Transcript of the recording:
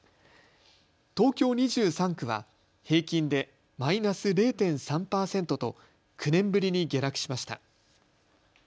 東京２３区は平均でマイナス０．３％と９年ぶりに下落しました。